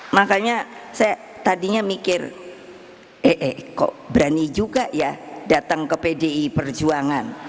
makanya saya tadinya mikir eh kok berani juga ya datang ke pdi perjuangan